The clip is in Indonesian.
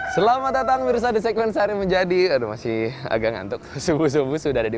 selamat datang berusaha di segmen sehari menjadi masih agak ngantuk sebuah sebuah sudah ada di